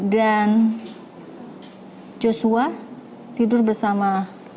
dan joshua tidur bersama dengan riki